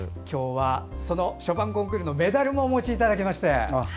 今日はそのショパンコンクールのメダルもお持ちいただきまして。